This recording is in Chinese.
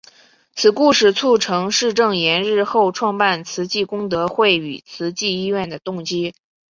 此故事促成释证严日后创办慈济功德会与慈济医院的动机。